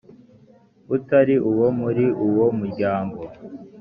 utari uwo muri uwo muryango;